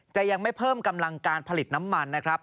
ยังไม่เพิ่มกำลังการผลิตน้ำมันนะครับ